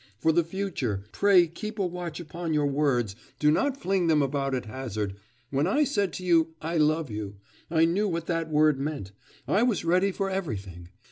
For the future, pray keep a watch upon your words, do not fling them about at hazard. When I said to you, "I love you," I knew what that word meant; I was ready for everything....